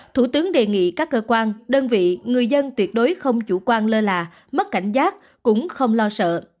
thủ tướng đề nghị các cơ quan đơn vị người dân tuyệt đối không chủ quan lơ là mất cảnh giác cũng không lo sợ